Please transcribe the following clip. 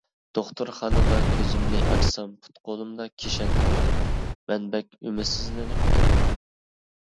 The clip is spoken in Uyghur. دوختۇرخانىدا كۆزۈمنى ئاچسام پۇت قولۇمدا كىشەن تۇرىدۇ، مەن بەك ئۈمىدسىزلىنىپ كەتتىم.